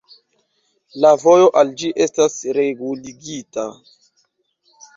La vojo al ĝi estas reguligita.